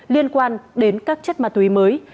liên quan đến các chất ma túy mới